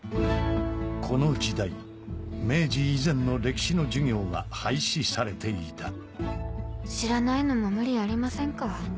この時代明治以前の歴史の授業は廃止されていた知らないのも無理ありませんか